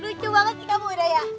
lucu banget nih kamu udah ya